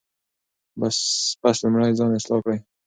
پس لومړی ځان اصلاح کړئ.